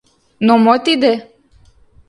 Но мо тиде?